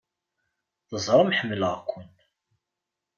Teẓram ḥemmleɣ-ken!